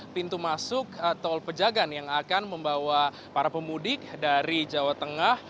pintu masuk tol pejagan yang akan membawa para pemudik dari jawa tengah